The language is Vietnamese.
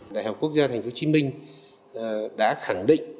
đại học quốc gia hà nội đã khẳng định